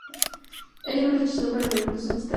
Ella lo rechazó pero le brindó su amistad.